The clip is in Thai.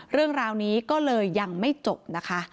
เรื่องราวนี้ก็เลยยังไม่จบนะคะ